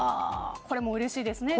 これもうれしいですね。